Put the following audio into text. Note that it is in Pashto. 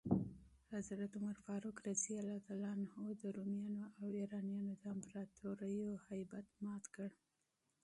عمر فاروق د رومیانو او ایرانیانو د امپراتوریو هیبت مات کړ.